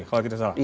kalau tidak salah